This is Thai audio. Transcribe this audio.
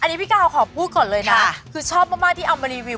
อันนี้พี่กาวขอพูดก่อนเลยนะคือชอบมากที่เอามารีวิว